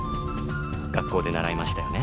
学校で習いましたよね。